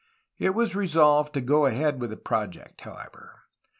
It was resolved to go ahead with the project, however.